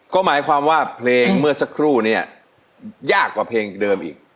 ก็หมายความว่าเพลงเมื่อสักครู่เนี่ยยากกว่าเพลงเดิมอีก